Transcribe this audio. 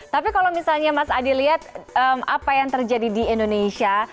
tapi kalau misalnya mas adi lihat apa yang terjadi di indonesia